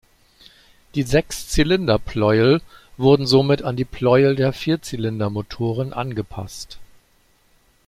Die Sechszylinder-Pleuel wurden somit an die Pleuel der Vierzylindermotoren angepasst.